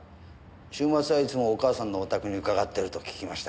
週末はいつもお母さんのお宅に伺ってると聞きましたが。